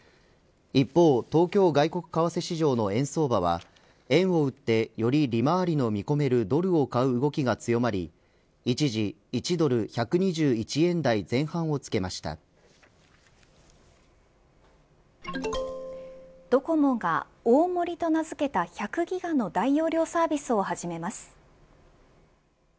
一方、東京外国為替市場の円相場は円を売ってより利回りの見込めるドルを買う動きが強まり一時、１ドル１２１円台前半をドコモが大盛りと名付けた１００ギガの大容量サービスを始めます。